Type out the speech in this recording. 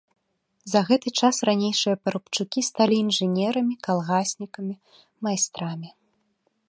За гэты час ранейшыя парабчукі сталі інжынерамі, калгаснікамі, майстрамі.